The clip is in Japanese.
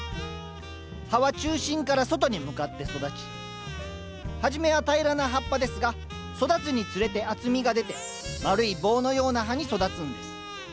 葉は中心から外に向かって育ち初めは平らな葉っぱですが育つにつれて厚みが出て丸い棒のような葉に育つんです。